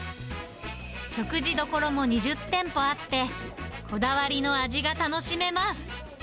食事どころも２０店舗あって、こだわりの味が楽しめます。